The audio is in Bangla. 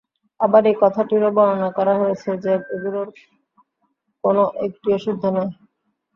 আবার এই কথাটিও বর্ণনা করা হয়েছে যে, এগুলোর কোন একটিও শুদ্ধ নয়।